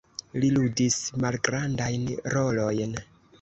Li ludis malgrandajn rolojn.